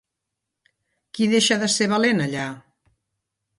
Qui deixa de ser valent allà?